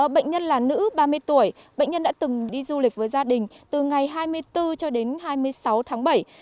bệnh nhân là nữ ba mươi tuổi bệnh nhân đã từng đi du lịch với gia đình từ ngày hai mươi bốn cho đến hai mươi sáu tháng bảy